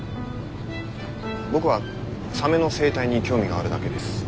僕はサメの生態に興味があるだけです。